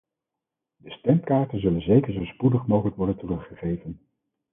De stemkaarten zullen zeker zo spoedig mogelijk worden teruggeven.